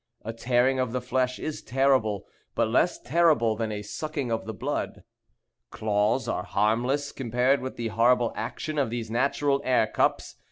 A tearing of the flesh is terrible, but less terrible than a sucking of the blood. Claws are harmless compared with the horrible action of these natural air cups.